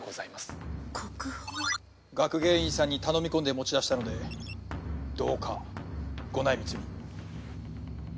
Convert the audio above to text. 学芸員さんに頼み込んで持ち出したのでどうかご内密に。